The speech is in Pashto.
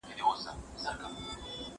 پروسه ځینې ټاکلي ځواکونه راښيي.